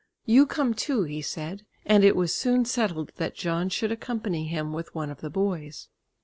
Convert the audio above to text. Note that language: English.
"You come too," he said, and it was soon settled that John should accompany him with one of the boys.